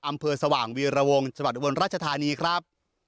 อำเภอสว่างวีรวงสวัสดิ์อุบลรัชฐานีครับ